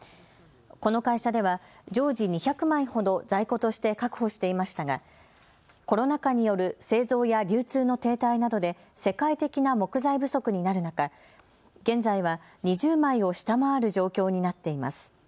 この会社では常時２００枚ほど在庫として確保していましたがコロナ禍による製造や流通の停滞などで世界的な木材不足になる中、現在は２０枚を下回る状況になっています。